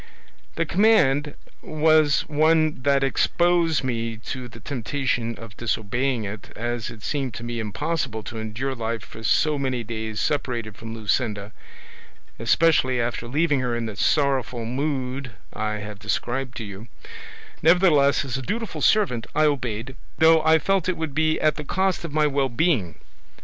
"The command was one that exposed me to the temptation of disobeying it, as it seemed to me impossible to endure life for so many days separated from Luscinda, especially after leaving her in the sorrowful mood I have described to you; nevertheless as a dutiful servant I obeyed, though I felt it would be at the cost of my well being.